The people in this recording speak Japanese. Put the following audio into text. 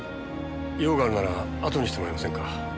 用があるならあとにしてもらえませんか。